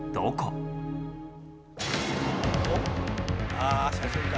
ああ写真か。